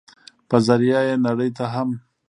په ذريعه ئې نړۍ ته هم